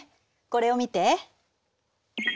これを見て。